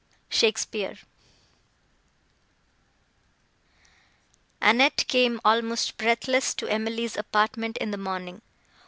SHAKESPEARE Annette came almost breathless to Emily's apartment in the morning.